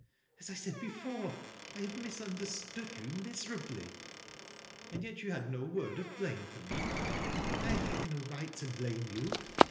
'' As 1 said before, T have misunderstood you miserably." " And yet you had no word of blame for me ?"" I had no right to blame you.